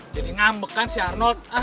jadi ngambek kan si arnold